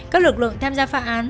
các lực lượng tham gia phá án